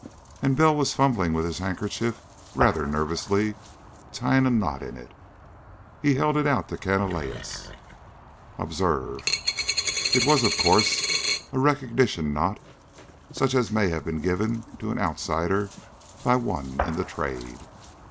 And Bell was fumbling with his handkerchief, rather nervously tying a knot in it. He held it out to Canalejas. "Observe." It was, of course, a recognition knot such as may be given to an outsider by one in the Trade.